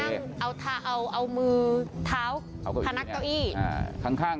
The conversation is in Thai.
กินั่งเอามือเท้าท่านักเร้๋วอี้